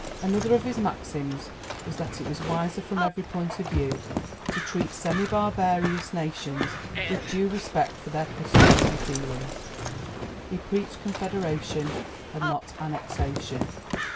Another of his maxims was that it was wiser from every point of view to treat semi barbarous nations with due respect for their customs and feelings. He preached Confederation and not Annexation.